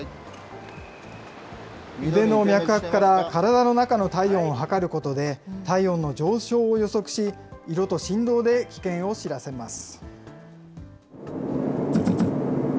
腕の脈拍から体の中の体温を測ることで、体温の上昇を予測し、色と振動で危険を知らせます。